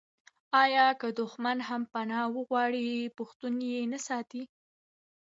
آیا که دښمن هم پنا وغواړي پښتون یې نه ساتي؟